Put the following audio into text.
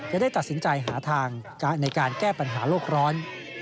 จะได้ตัดสินใจหาทางในการแก้ปัญหาโลกร้อน